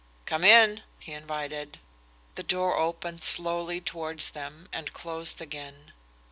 "Come in," he invited. The door opened slowly towards them and closed again.